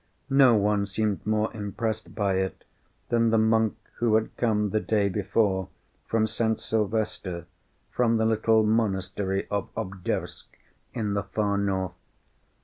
No one seemed more impressed by it than the monk who had come the day before from St. Sylvester, from the little monastery of Obdorsk in the far North.